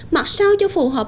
mặc sao cho phù hợp